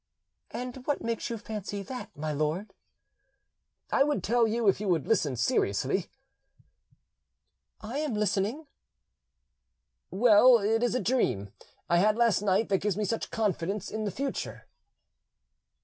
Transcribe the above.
"And what makes you fancy that, my lord?" "I would tell you, if you would listen seriously." "I am listening." "Well, it is a dream I had last night that gives me such confidence in the future."